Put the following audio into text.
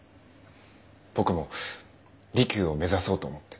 僕も利休を目指そうと思って。